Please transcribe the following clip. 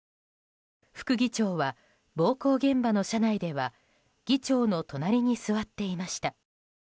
副議長は暴行現場の車内では議長の隣に座っていました。